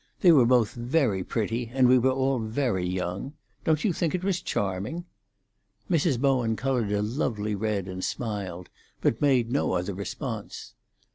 They were both very pretty, and we were all very young. Don't you think it was charming?" Mrs. Bowen coloured a lovely red, and smiled, but made no other response.